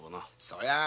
そりゃ